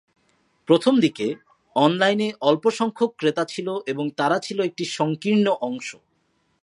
প্রথমদিকে, অনলাইনে অল্প সংখ্যক ক্রেতা ছিল এবং তারা ছিল একটি সংকীর্ণ অংশ।